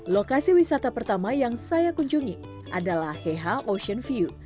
lokasi wisata pertama yang saya kunjungi adalah heha ocean view